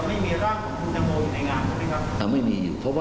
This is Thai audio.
ไม่มีร่างของคุณทังโมอยู่ในงานหรือเปล่านะครับ